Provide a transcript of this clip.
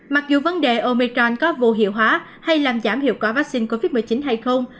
mặc dù vấn đề omechon có vô hiệu hóa hay làm giảm hiệu quả vaccine covid một mươi chín hay không